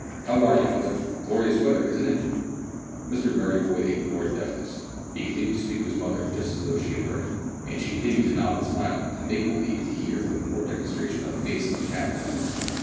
How are you, mother? Glorious weather, isn't it?" Mr Merryboy ignored deafness. He continued to speak to his mother just as though she heard him. And she continued to nod and smile, and make believe to hear with more demonstration of face and cap than ever.